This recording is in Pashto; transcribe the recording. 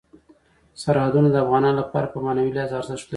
سرحدونه د افغانانو لپاره په معنوي لحاظ ارزښت لري.